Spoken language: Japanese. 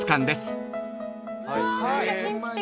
何か神秘的。